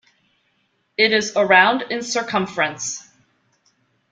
It is around in circumference.